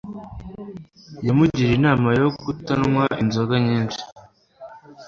Yamugiriye inama yo kutanywa inzoga nyinshi